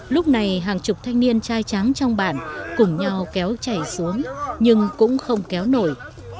lúc này hàng chục thanh niên trai tráng trong bản cùng nhau kéo chảy xuống nhưng cũng không kéo nổi